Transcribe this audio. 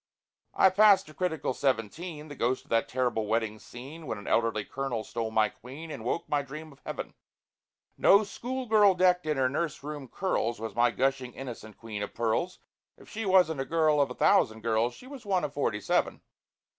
I pass to critical seventeen; The ghost of that terrible wedding scene, When an elderly Colonel stole my Queen, And woke my dream of heaven. No schoolgirl decked in her nurse room curls Was my gushing innocent Queen of Pearls; If she wasn't a girl of a thousand girls, She was one of forty seven!